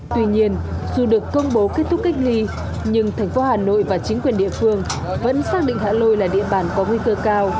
tuy nhiên dù được công bố kết thúc cách ly nhưng thành phố hà nội và chính quyền địa phương vẫn xác định hạ lôi là địa bàn có nguy cơ cao